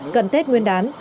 cần tết nguyên đán